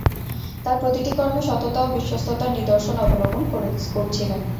তাঁর প্রতিটি কর্মে সততা ও বিশ্বস্ততার নির্দশন অবলোকন করছিলেন।